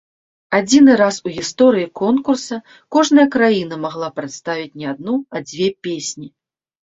Адзіны раз у гісторыі конкурса кожная краіна магла прадставіць не адну, а дзве песні.